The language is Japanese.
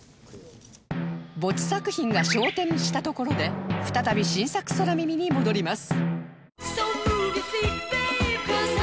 ボツ作品が昇天したところで再び新作空耳に戻ります